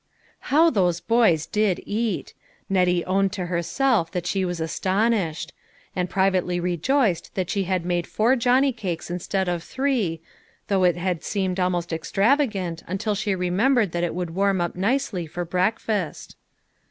How those boys did eat ! Nettie owned to herself that she was astonished ; and privately rejoiced that she had made four johnny cakes instead of three, though it had seemed almost extravagant until she remembered that it would warm up nicely for breakfast.